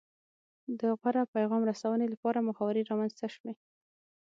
د غوره پیغام رسونې لپاره محاورې رامنځته شوې